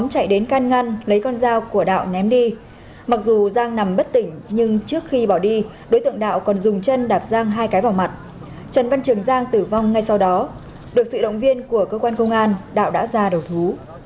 hãy đăng ký kênh để ủng hộ kênh của chúng mình nhé